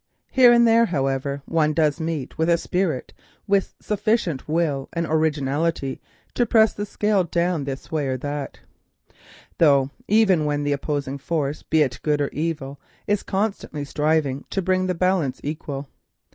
Here and there, however, we do meet a spirit with sufficient will and originality to press the scale down this way or that, though even then the opposing force, be it good or evil, is constantly striving to bring the balance equal.